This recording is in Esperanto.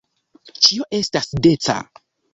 Ĉio estas deca.